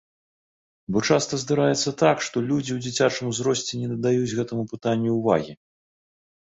Бо часта здараецца так, што людзі ў дзіцячым узросце не надаюць гэтаму пытанню ўвагі.